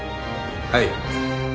はい。